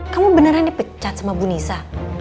kamu beneran dipecat sama bu nisa